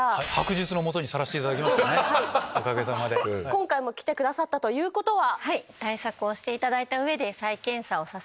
今回も来てくださったということは。